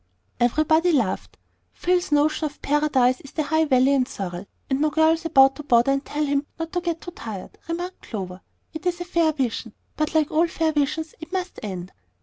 Everybody laughed. "Phil's notion of Paradise is the High Valley and Sorrel, and no girls about to bother and tell him not to get too tired," remarked Clover. "It's a fair vision; but like all fair visions it must end."